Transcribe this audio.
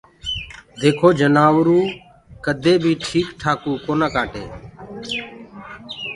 ديکو جنآوروُ ڪدي بيٚ ٺيڪ ٺآڪوُ ڪونآ ڪآٽي